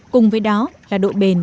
cùng với đó là độ bền